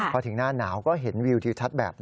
พอถึงหน้าหนาวก็เห็นวิวทิวทัศน์แบบนี้